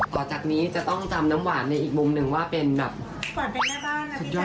ต่อจากนี้จะต้องจำน้ำหวานในอีกมุมหนึ่งว่าเป็นแบบหวานเป็นแม่บ้านสุดยอด